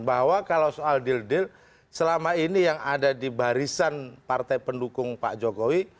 bahwa kalau soal deal deal selama ini yang ada di barisan partai pendukung pak jokowi